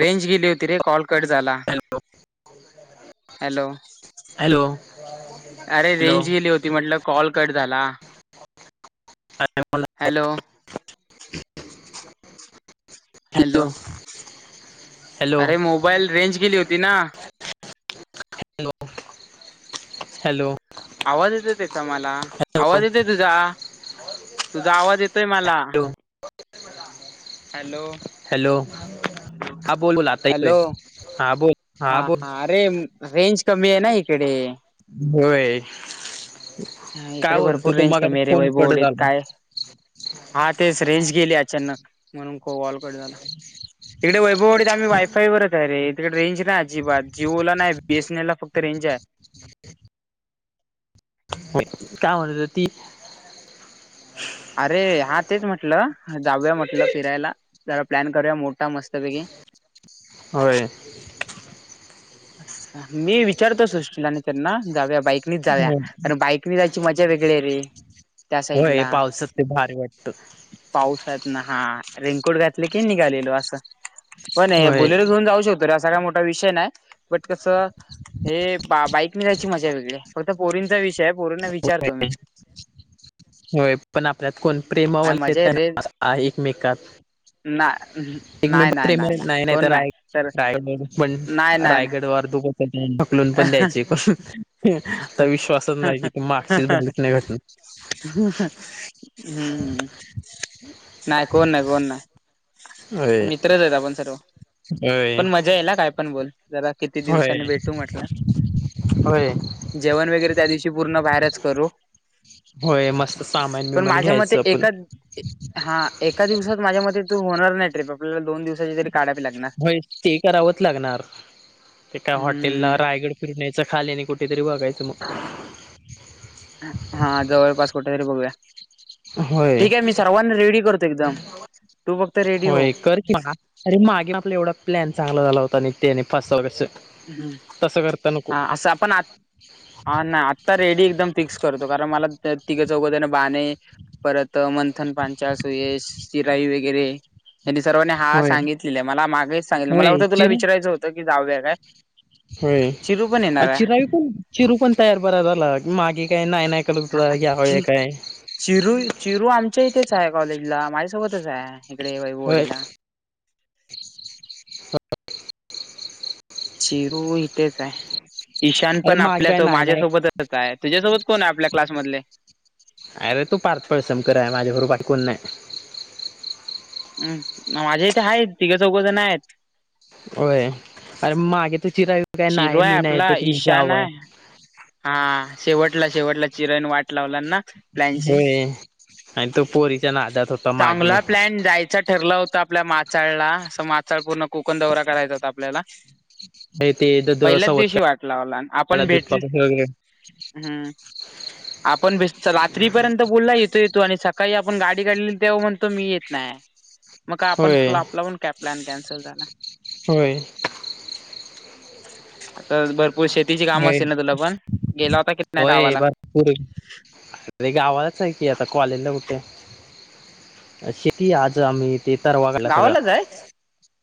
Range गेली होती रे कॉल कट झाला हॅलो हॅलो. हॅलो अरे रेंज गेली होती म्हटल कॉल कट झाला. हॅलो [unintelligible] हॅलो हॅलो अरे मोबाईल रेंज केली होती ना. लो हॅलो. आवाज येते त्याचा मला आवाज हॅलो येतय तुझा तुझा आवाज येतोय मला. हॅलो हॅलो हा बोल बोल आता ऐकु हॅलो येतय हा बोल हा बोल. हे होय--. हा काय इकडे बोलतो भरपूर तू रेंज मग आता कमी रे फोन कट वैभोवाडीत झाला काय. हा तेच रेंज गेले अचानक. म्हणून काॅल कट झाला हीकडे वैभवडीत आम्ही वायफाय वच आहे रे तिकडे रेंज नाही अजिबात जिओ ला नाही बीएसनला फक्त रेंज आहे. काय म्हणत होती.? अरे हा तेच म्हटलं जाऊया म्हटलं फिरायला जरा प्लॅन करूया मोठ होय. मी विचारतो सुष्टी आणी त्यांना जाऊया मग बाईकनी जाऊया कारण बाईकनी जायची मज्या वेगळी रे त्या साईड होय ला. पावसात ते भारी वाटत पाऊसात ना हा रेनकोट घातले की निघालेलो असं. पण हे होय बुलोरा घेऊन जाऊ शकतो र ह सगळ मोठा विषय नाही बट कसं हे हां बाईक नी जायची माझ्या वेगळे फक्त पोरीन होय. होय पण आपल्यात कोण प्रेमावा काय मजा येत आहे रे ना एकमेकात. ना एक मी नाही नाही तर राय रायगड पण नाही नाही रायगड वार हो कुठुन ढकलून पण नाही. द्यायचे आता विश्वासच नाही कि त मागशीच बघलीस घडलेली घटना. हम्म ह् नाही कोण नाही कोण नाही. होय मित्रच आहेत सर्व होय पण मज्या याला काय पण बोल. जरा किती होय दिवसांनी भेटू म्हटलं. होय जेवण वगैरे त्या दिवशी पूर्ण बाहेरच करू. होय मस्त सामान पण बिमान माझ्या मते घ्यायचं आपण एका हा एका दिवसात माझ्या मते तो होणार नाही. ट्रीप आपल्याला दोन दिवसाची तरी काढावी लागणार होय ते करावंच लागणार एका हम्म हॉटेलला रायगड फिरण्याच खाली आणि कुठे ते वागायच मग.. कुठ हाय रे बघूया होय ठीक आहे मी सर्वांनी रेडी करतो एकदम. तू फक्त रेडी हो होय कर की मग अरे मागे आपला एवढा प्लॅन चांगला झाला होता आणी त्यांनी फसव्या अस हुम्म हा असं आपण आ हा नाही आता रेडी एकदम फिक्स करतो कारण मला तिघ चौघ जण बा आणी परत मंथन पाच्यांळ, सुयश, चिराई, वगैरे त्यांनी सर्वांनी हा होय सांगितलेले मला मागेच सांगितलं मला होय होतं तुला चिर विचारायचं होतं की जाऊया काय? होय चिरू पण येणार आहे चिरावी पण चिरू पण तयार बरा झाला मागे काय. नाही नाही करत होता ह्या होय चि काय चिरू चिरू आमच्या इथे चा हाय कॉलेज ला माझ्यासोबतच आहे इकडे वैभव होय वाडीला. अरे चिरू इथे काय? ईशान पण मागे काय आपल्या नाही नाही माझ्यासोबतच आहे तुझ्यासोबत कोण आहे आपल्या क्लासमधले. अरे तू पारपळ शंकर हाय माझ्याबरोबर बाकी कोणी नाही. ह माझ्या इथे आहेत तिघं चौघजण आहेत. होय अरे मागे त चिराय काय चिरू नाही आहे मी नाही आपला तर तुम्ही ईशान जाव.. आहे हा शेवटला शेवटला चिरण वाट वाटत लावलं ना प्लॅनची. होय आणि तो पोरीच्या नादात होता मागे चांगला प्लॅन जायचा.. ठरलं होतं आपल्या माचाळला अस मासाळ पूर्ण कोकण दौरा कराायचा होता आपल्याला. ते पहिल्याच दव दिवशी वाट लावला आपण भेटली दुधपागैर हम्म [unintelligible] आपण बे रात्रीपर्यंत बोलला येतो येतो आणि सकाळी आपण गाडी काढली तेव्हा म्हण त मी येत नाही मग आपण होय आपला पण कॅब प्लॅन कॅन्सल झाला. होय. आता भरपूर शेतीची काम होय असतील ना तुला पण गेला होता किती नाही गावाला? अ अरे गावालाच आहे की आता कॉलेजला कुठे शेती आज आम्ही... ते तरवा केला सगळा गावालाच आहे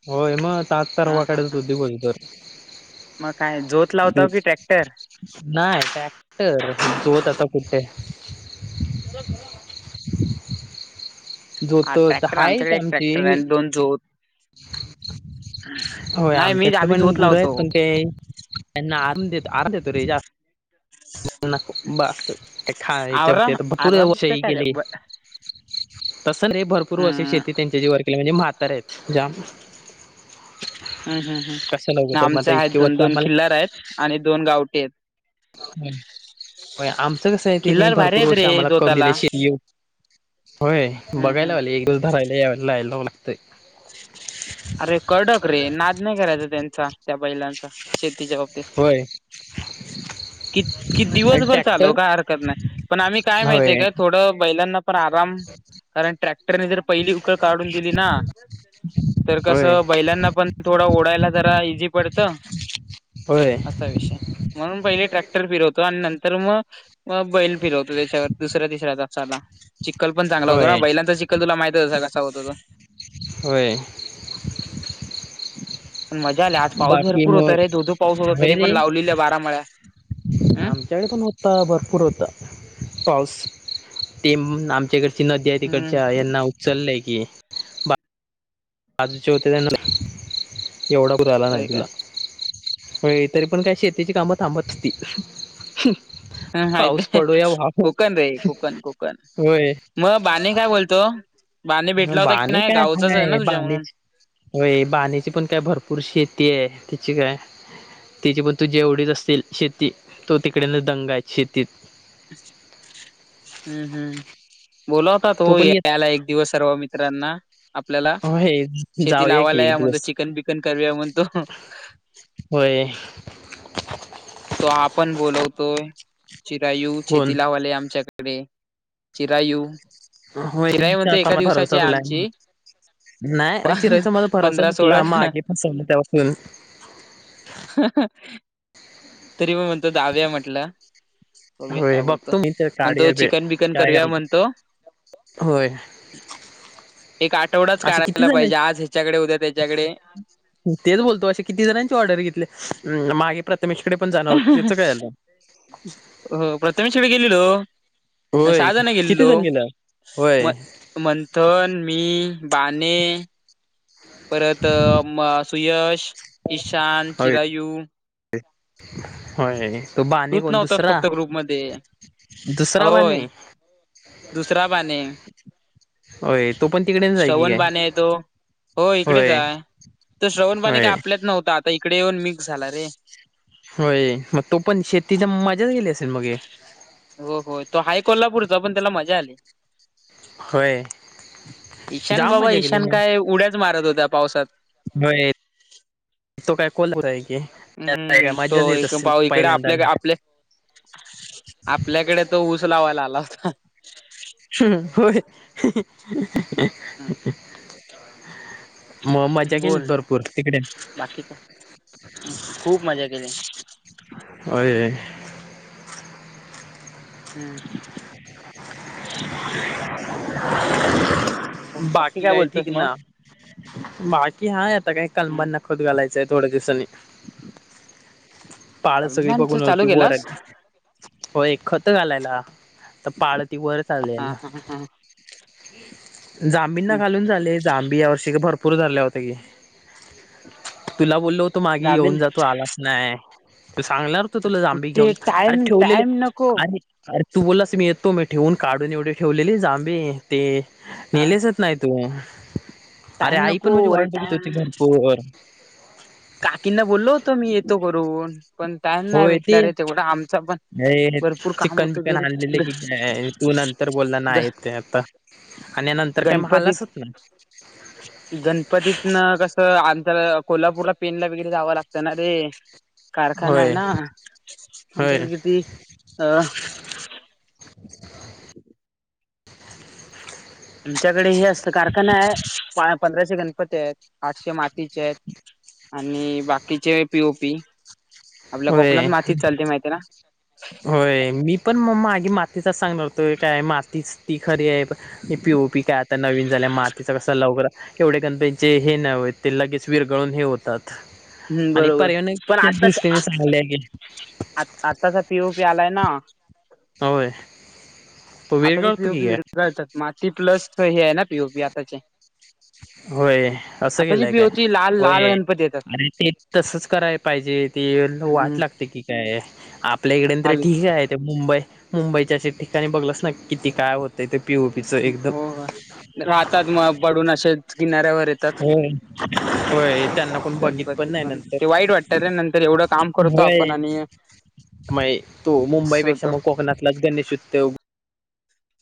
होय मग सच हा तरवा हा काढत हा होती बोल तर मग काय जोत लावत नाही टॅक्टर तोत आता कुठे चला हा जोत ट्रॅक्टर हायच आमच्याकडे एक आमची ट्रॅक्टर आणि दोन झोत होय नाही मी आमच्याकडे आम्ही पण धूत गुरु लावतो आहेत प ते त्यांना आ आमच्याकडे पण गुर आहेत आराम देतो रे जास्त [unintelligible] तसं नाही आवरा आरामच काय ब रे भरपूर वर्ष हम्म त्यांच्या जीवावर शेती केली म्हाताऱ्या आहेत जाम. हम् हम्म कशाला उगं हम तर मग आमचे आता इतके आहेत दोन वर्ष दोन किल्लार आहेत आणि दोन गावटी आहेत. आमचं कसं आहे त्याने किल्लार भारी भरपूर आहेत वर्ष रे आम्हाला करून जोताला दिलं शेयोग.. होय हम्म बघायला हम्म वा एक दिसध राहिला याला लालाव लागतय. अरे कडक रे नाद नाही करायचा त्यांचा त्या बैलांचा शेतीच्या बाबतीत. होय रिकामा ऑडिओ कि कि आणि दिवसभर ट्रॅक्टर चालव का हरकत नाही पण आम्ही काय होय माहितीय काय थोडं... बैलांना पण आराम कारण ट्रॅक्टरने जर पहिली उकळ काढून दिली ना.. तर होय कसं बैलांना पण थोडं ओडायला जरा इझी पडतं. होय असा विषय म्हणून पहिले ट्रॅ टटर फिरवतो आणि नंतर मग बैल फिरवतो त्याच्यावर दुसऱ्या तिसऱ्या तासाला चिखल पण चांगला होता ना होय बैलांचा चिखल तुला माहितीये ना कसा होतो होय पण मजा आली आज पाऊस बाकी भरपूर होत मग रे दो दो पाऊस होतो होय तरी रे पण लावलेली आहे बारामळ्या आमच्याकडे पण होता भरपूर होता पाऊस ते आमच्याकडची नदी आहे हम्म तिकडच्या यांना उचललंय की बा [inaudible] त्यांना एवढा पूर आला होय नदि काय ला होय तरी पण काय शेतीची कामं थांबतती हात कोकन रे कोकन कोकन होय मग बाने काय बोलतो? बाने भेटला होता की बाणे नाही काय गावचाच आहे काय ना तुझ्या बाणी म्हणून होय बाणीची पण काय भरपूर शीेत ती आहे त चिक आहे तिची पण तू जेवढीच असल शेती तो तिकडेन दंग आहे शेतीत हम्म हम्म बोलावता तो पण येत तोयला एक दिवस सर्व मित्रांना आपल्याला होय शेती जाऊया की लावायला एक या म्हणतो दिवस चिकन बिकन करूया म्हणतो होय तो आपण बोलवतोय चिरायू कोण शेतीलावाले आमच्याकडे इकडे चिरायू हो चिराई म्हणतो त्याचा एका भरवसा दिवसाची आहे तुला आमची मग नाय प- अरे चिरईचा माझा भरवसा पंधरा सोळा तूटला मागे फसवलं त्यापासन ह, ह तरी ओ म्हणत दाव्या म्हटलं बघूया होय काय बोलतो बघतो मी तर काढया म्हणतो वेळ चिकन बिकन काय करूया म्हणतो होय एक आठवडाच असे किती काढायला जण पाहिजे आज ह्याच्याकडे उद्या त्याच्याकडे तेच बोलतो, असं किती जणांची ऑर्डर घेतली मागे प्र रमेशकडे पण जाणार होती त्याच काय आलं? सहा जण गेलेलो गेलं म होय मंथन मी बाने, परत म सुयश ईशान, चिरायू व्हय तूच नव्हतास फक्त ग्रुप मध्ये, दुसरा होय बाने दुसरा बाने होय तो पण तिकडेच जाय की श्रवण काय बाने येतो हो इकडेच होय हाय. तो श्रवण बने का होय आपल्यात नव्हता, आता इकडे येऊन मिक्स झाला रे होय, मग तू पण शेतीच्या मजाच गेली असेल मग हो, हो, तो हाय कोल्हापूरचा, पण त्याला मजा आली. व्हय ईशान बाबा, ईशान काय उड्याच मारत होता पावसात होय तो काय कोलत हाय ह हम्म, तो इक पाव इकडे पहिल्यांदा आपल्या का आपल्या आपल्याकडे तो ऊस लावायला आला होता हम्, होय हम म मज्जा केलीत बोल भरपूर तिकडे बाकी का खूप मजा केली. व्हय हम्म बाकी काय, ठीक ना? बाकी हाय आता काही हम्म, कलबांना खोत घालायचंय थोड्या दिवसांनी. पाळ सगळी सलमानच बघून चालू होती केलास बोराची हो एक खत घालायला तर पाळ हा चालेल ना, हा हा जांबींना हम्म, घालून झाले जाबी या वर्षी भरपूर पूर धरल्या होत्या की, तुला बोललो होतो मागे जामीन येऊन जा तू आलाच नाय त सांगणार तुला जांबी कुठे घेऊन अरे टाइम ठेवलेले टाइम नको अरे, अरे तू बोललास मी येतो मी ठेवून काढून एवढी ठेवलेली जांबे ते अ नेलेचत नाय तुम्ही अरे टाइम आई नको पण माजी अरे वाट बघित टाइम होती भरपूर. काकींना बोललो होतो मी येतो बर हून पण टाइम नाय होय ते भेटला रे, तेवढा आमचा पण हे भरपूर काम चिकन होतं बिकन घरी. आणलेले की काय तू नंतर बोलला ग नाय येत ते आता आणि नंतर काय म गणपतीत आलासच नाय गणपतीतन कसं आंतर कोल्हापूरला पेणला वगैरे जावं लागतं ना रे कारखाना आहे होय ना, होय आमच्याकडे किती अ [unintelligible] आमच्याकडे हे असतं, कारखाना आहे, पंधराशे गणपती आहेत, आठशे मातीचे आहेत आणि बाकीचे पीओपी आपल्या व्हय, कोकणात मातीच चालते माहिती आहे व्हय, मी पण म मागी मात तिथच सांगणार होतोय काय मातीच ती खरी आहे पण पीओपी काय आता नवीन झाल्या मातीचा कसा लवकर एवढे कण त्यांचे हे नाय होत लगेच वीर गळून हे होतात. ना हम् आणि बरोबर पण परयनच्या दृष्ट आताच आ आताचा पीओपी आलाय ना [unintelligible] होय आताचे विरगळतो की पीओपीतात काय विरघळतात माती प्लस हे आहे ना पीओपी आताचे होय असं आताची केलंय काय पीओपी लाल लाल होय. गणपती येतात अरे ते तसच करायला पाहिजे ते वाट हम्म लागते की काय आपल्या इकडेन तरी आल ठीक आहे ते मुंबई मुंबईच्या ठिकाणी बघलंस ना किती काय होतय ते पिओपीचं एकदम हो हो राहतात मग पडून असे किनाऱ्यावर येतात होय होय त्यांना कोण बघित गणपती नाही पण नंतर ते वाईट वाटत नंतर एवढं एढं काम करतो आपण आणि म ये तो मुंबईपेक्षा होत मग कोकणातलाच गणेश उत्तव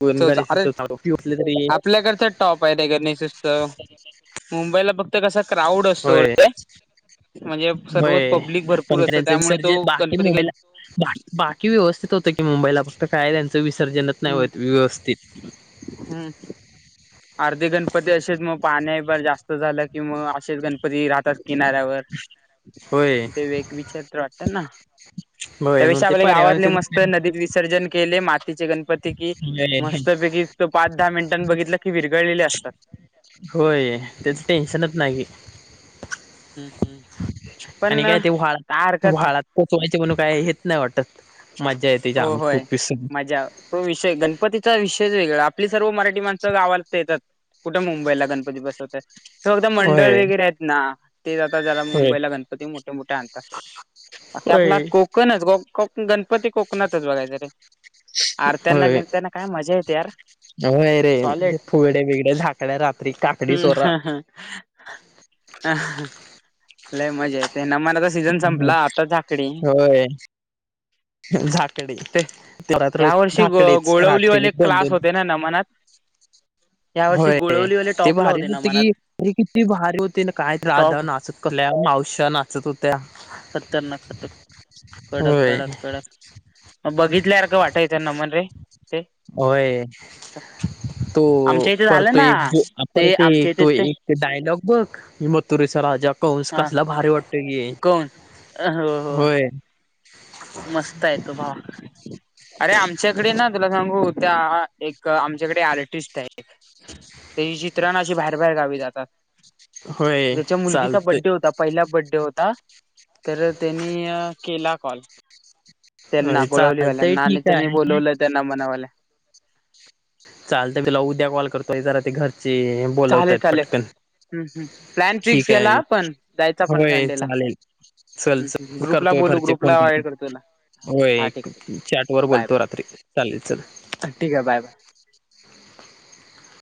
कोण गणेश अरे उत्सव दारू पिऊन आपल्याकडचा टॉप आहे र गणेश उत्सव मुंबईला बघ कसा क्राउड असतो होय म्हणजे होय सर्वच पब्लिक पण भरपूर असतं त्यामुळे तो विसर्जन बाकी गणपती मुंबई गण ला बाकी व्यवस्थित होत कि मुंबईला फक्त काय त्यांचं विसर्जनच हम्म नाही व्यवस्थित. हम्म अर्धे गणपती असेच मग पाण्या बर जास्त झालं कि मग असेच गणपती राहतात. किनाऱ्यावर होय ते वेग विचारत वाटतात ना होय त्या मग पेक्षा ते आपले गावातले पर्यावरणाच्या मस्त नदीत विसर्जन केले मातीचे गणपती कि दृष्टीने मस्तपैकी तो पाच दहा मिनिटां बघितलं. विरगळलेले असतात. होय त्याच टेन्शनच नाही की. हम्म हम्म पण आणि काय ते व्हाळ काय हरकत व्हााळात पचवायचे म्हणून काय हेच नाही वाटत मज्जा येते हो जाम होय खूप विसरून माझ्या तो विषय गणपतीचा विषय च वेगळं आपली सर्व मराठी माणसं गावाात येतात कुठं मुंबईला गणपती बसवत हे फक्त मंडळ होय वगैरे आहेत ना ते जात ज्याला होय मुंबईला गणपती मोठे मोठे आणतात आपला होय कोकणच ग गणपती कोकणातच बघायचं रे आरत्यांना बिनता्यांना काय मजा येते यार य रे ते सॉलिड फुगडे बिगडे झाधाकड रात्री काकडी चोरा ह लय मजा येत ते ना मनाचा सीझन संपला आता झाकडी जाकडी ते तेव्हा तर रोज या वर्षी गो जाकडी रात्री गोळवलीवाले दोन क्लास दोन होते ना नमनात या वर्षी होय गोळवलीवाले ते टॉपला भारी होते नव्हते नमनात की अरे किती भारी होते ना काय टॉप आधार नाचत असत कल्या मावश्या नाचत होत्या खतरनाक खतरनाक कडक होय कडक कडक मग बघितल्यासखं वाटायचं न मन रे ते होय तो आमच्या इथे झालं परतो ना एक जो ते अपरते आमच्या इथे तो ते एक डायलॉग बघ हमतुरेसर काझ्या कौंस हा कसला भारी वाटतेय की कोण हो हो होय मस्त आहे तो भाव अरे आमच्याकडे ना तुला सांगू त्या एक आमच्याकडे आर्टिस्ट आहे एक त्याची चित्रणा अशी बाहेर बाहेर गावी जातात होय त्याच्या मुलगीचा चालतय बड्डे होता पहिला बड्डे होता तर त्यांनी केला कॉल त्यांना होय चालतय गोळवलीवाल्यांना आणि ठीक त्यांनी आहे बोलवलं त्यांना मनावाल्या चाल तर बिला उद्या कॉल करतोय जरा ते घरची चालेल बोलवतय चालेल पटकन हम्म हम्म प्लॅन फिक्स ठीक केला आहे आपण जायचा पण होय संडेला चालेल चल हम्म हम्म. च ग्रुपला करतोय बोलू घरचे फोन ग्रुपला ऍड तुला करतो होय हा एक ठीक आहे ठीक चॅट वर आहे बाय बोलतो रात्री चालेल चल बाय ठीक आहे बाय बाय [unintelligible]